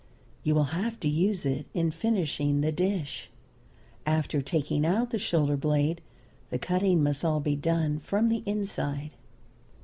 You will have to use it in finishing the dish. After taking out the shoulder blade the cutting must all be done from the inside.